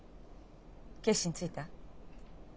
決心ついた？